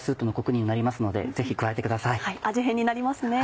味変になりますね。